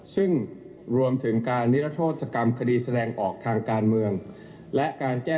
สิ่งรวมถึงการ